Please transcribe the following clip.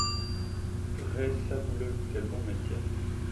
Prrré Sabouleux ! quel bon métier !